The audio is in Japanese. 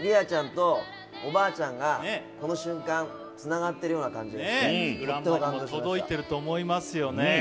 ちゃんとおばあちゃんがこの瞬間、つながってるような感じがグランマにも届いていると思いますよね。